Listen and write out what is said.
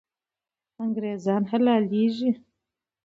انګریزان حلالېږي.